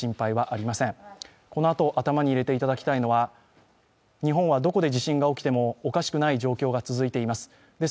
このあと頭に入れていただきたいのは、日本はどこで地震が起きてもおかしくない状況が続いています。